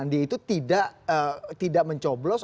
sandi itu tidak mencoblos